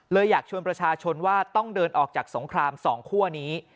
อยากชวนประชาชนว่าต้องเดินออกจากสงคราม๒คั่วนี้